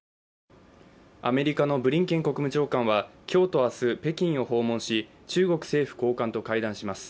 アメリカのブリンケン国務長官は今日と明日北京を訪問し、中国政府高官と会談します。